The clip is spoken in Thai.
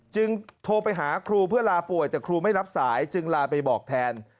โทรไปหาครูเพื่อลาป่วยแต่ครูไม่รับสายจึงลาไปบอกแทน